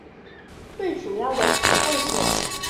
最主要的集会所